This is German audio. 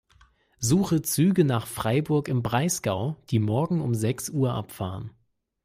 Suche Züge nach Freiburg im Breisgau, die morgen um sechs Uhr abfahren.